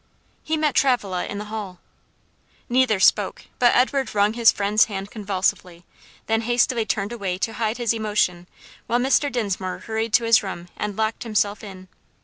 He met Travilla in the hall. Neither spoke, but Edward wrung his friend's hand convulsively, then hastily turned away to hide his emotion, while Mr. Dinsmore hurried to his room, and locked himself in.